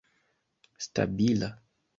stabila